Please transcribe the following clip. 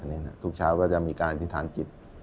นี่นะทุกเช้าก็จะมีการอธิษฐานจิต